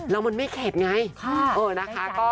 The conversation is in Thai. แล้วมันไม่เข็ดไงนะคะ